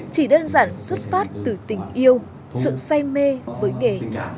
chỉ đơn giản xuất phát từ tình yêu sự say mê với nghề